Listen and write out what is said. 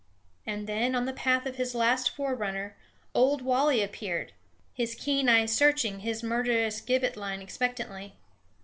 And then, on the path of his last forerunner, Old Wally appeared, his keen eyes searching his murderous gibbetline expectantly.